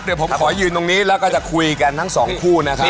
เดี๋ยวผมขอยืนตรงนี้แล้วก็จะคุยกันทั้งสองคู่นะครับ